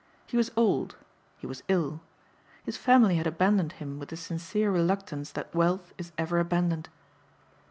He was old; he was ill. His family had abandoned him with the sincere reluctance that wealth is ever abandoned.